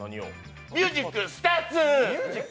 ミュージック、スターツッ！